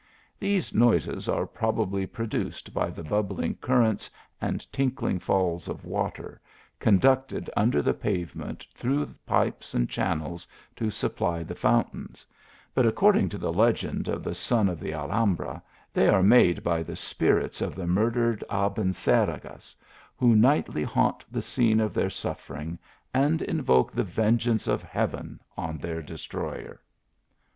These noises are probably produced by the bubbling currents and tinkling falls of water, conducted under the pave ment through pipes and channels to supply the foun tains ; but according to the legend of the son of the Alhambra, they are made by the spirits of the mur dered Abencerrages, who nightly haunt the scene of their suffering, and invoke the vengeance of Heaven on their destroyer.